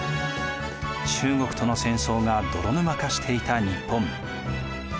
中国との戦争が泥沼化していた日本。